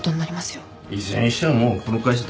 いずれにしてももうこの会社駄目だろ。